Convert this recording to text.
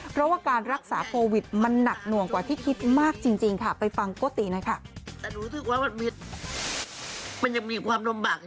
เพราะว่าการรักษาโควิดมันหนักหน่วงกว่าที่คิดมากจริงค่ะไปฟังโกติหน่อยค่ะ